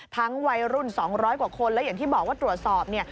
วัยรุ่น๒๐๐กว่าคนแล้วอย่างที่บอกว่าตรวจสอบเนี่ย